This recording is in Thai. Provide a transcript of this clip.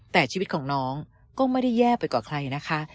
แต่ชีวิตของน้องก็ไม่ได้แย่ไปกว่าใครนะคะ